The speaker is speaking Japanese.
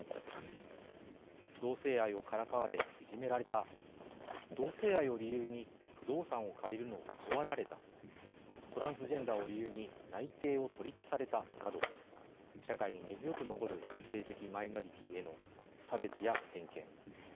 同性愛をからかわれいじめられた同性愛を理由に不動産を借りるのを断られたトランスジェンダーを理由に内定を取り消されたなど社会に根強く残る性的マイノリティーへの差別や偏見。